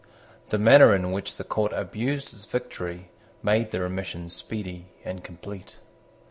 The manner in which the court abused its victory made the remission speedy and complete.